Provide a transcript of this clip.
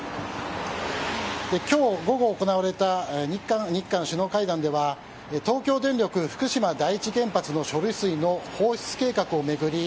今日午後行われた日韓首脳会談では東京電力福島第一原発の処理水の放出計画を巡り